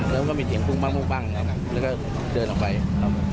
แล้วก็มีเสียงพุ่งบ้างแล้วก็เดินออกไปครับ